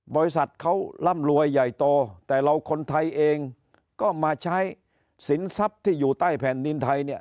บริษัทเขาร่ำรวยใหญ่โตแต่เราคนไทยเองก็มาใช้สินทรัพย์ที่อยู่ใต้แผ่นดินไทยเนี่ย